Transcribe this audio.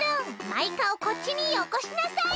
マイカをこっちによこしなさい！